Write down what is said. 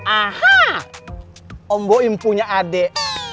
aha omboim punya adek